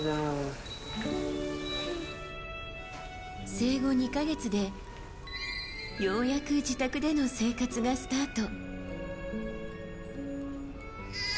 生後２か月でようやく自宅での生活がスタート。